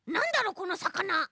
このさかな。